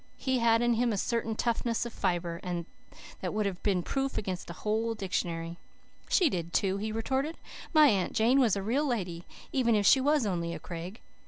He had in him a certain toughness of fibre, that would have been proof against a whole dictionary. "She did, too," he retorted. "My Aunt Jane was a real lady, even if she was only a Craig.